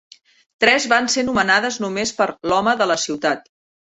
Tres van ser nomenades només per l'"Home" de la ciutat.